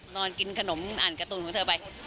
นอนกินขนมอ่านการ์ตูนของเธอไป